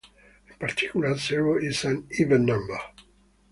In particular, zero is an even number.